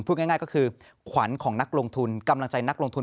พูดง่ายก็คือขวัญของนักลงทุนกำลังใจนักลงทุน